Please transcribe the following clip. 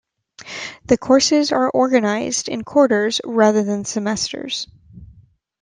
The courses are organized in quarters rather than semesters.